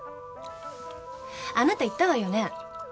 あなた言ったわよね